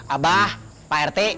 abah pak rt